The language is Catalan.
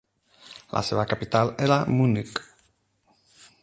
La seva capital era Munic.